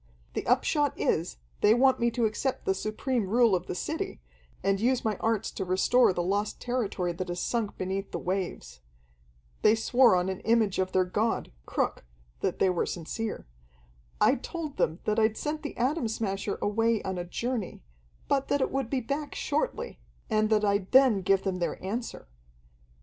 "The upshot is, they want me to accept the supreme rule of the city, and use my arts to restore the lost territory that has sunk beneath the waves. They swore on an image of their god, Cruk, that they were sincere. I told them that I'd sent the Atom Smasher away on a journey, but that it would be back shortly, and that I'd then give them their answer.